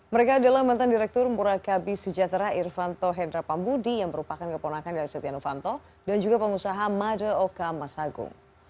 mereka adalah mantan direktur murakabi sejatera irfanto hendra pambudi yang merupakan keponakan dari setianu fanto dan juga pengusaha madeoka masagung